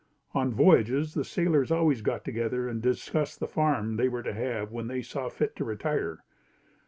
On voyages, the sailors always got together and discussed the farm they were to have when they saw fit to retire.